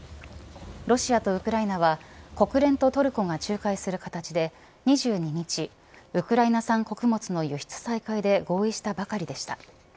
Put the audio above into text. ロシアとウクライナは国連とトルコが仲介する形で２２日、ウクライナ算穀物の輸出再開で合意したばかりでした。